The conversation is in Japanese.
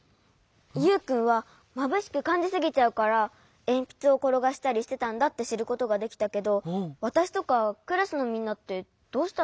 ユウくんはまぶしくかんじすぎちゃうからえんぴつをころがしたりしてたんだってしることができたけどわたしとかクラスのみんなってどうしたらいいの？